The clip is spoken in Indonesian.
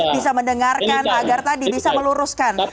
bisa mendengarkan agar tadi bisa meluruskan